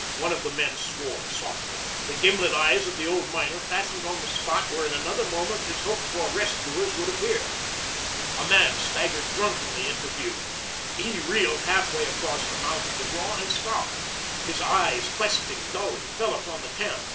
One of the men swore softly. The gimlet eyes of the old miner fastened on the spot where in another moment his hoped for rescuers would appear. A man staggered drunkenly into view. He reeled halfway across the mouth of the draw and stopped. His eyes, questing dully, fell upon the camp.